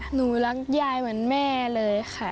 หนูรักยายเหมือนแม่เลยค่ะ